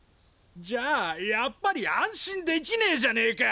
じゃあやっぱり安心できねえじゃねえか！